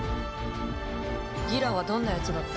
ギラはどんなやつだった？